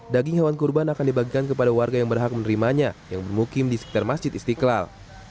daging hewan kurban akan dibagikan kepada warga yang berhak menerimanya yang bermukim di sekitar masjid istiqlal